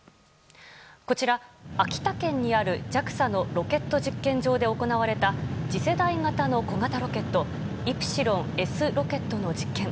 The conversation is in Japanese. こちら、秋田県にあるＪＡＸＡのロケット実験場で行われた次世代型の小型ロケットイプシロンＳロケットの実験。